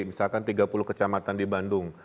misalkan tiga puluh kecamatan di bandung